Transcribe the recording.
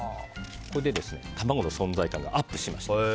これで卵の存在感がアップします。